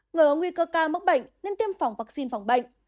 người có nguy cơ ca mắc bệnh nên tiêm phòng vaccine phòng bệnh